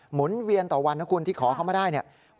หนเวียนต่อวันนะคุณที่ขอเข้ามาได้เนี่ย